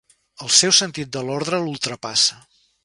El seu sentit de l'ordre l'ultrapassa.